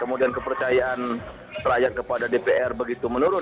kemudian kepercayaan rakyat kepada dpr begitu menurun